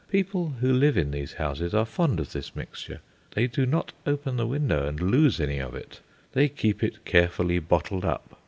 People who live in these houses are fond of this mixture. They do not open the window and lose any of it; they keep it carefully bottled up.